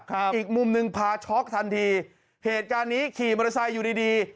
อีกมุมหนึ่งพาช็อกทันทีเหตุการณ์นี้ขี่มอเตอร์ไซค์อยู่ดีดี